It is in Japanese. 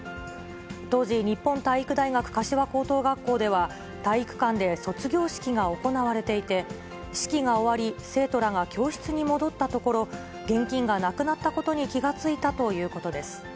当時、日本体育大学柏高等学校では、体育館で卒業式が行われていて、式が終わり、生徒らが教室に戻ったところ、現金がなくなったことに気が付いたということです。